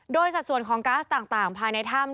โดยสัดส่วนของก๊าซต่างภายในถ้ำ